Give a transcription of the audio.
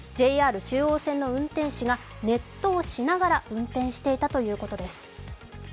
ＪＲ中央線の運転士がネットをしながら運転をしていたということです。